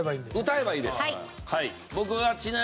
歌えばいいです。